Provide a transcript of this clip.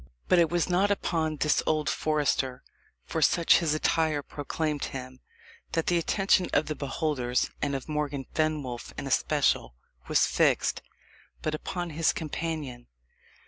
But it was not upon this old forester, for such his attire proclaimed him, that the attention of the beholders, and of Morgan Fenwolf in especial, was fixed, but upon his companion.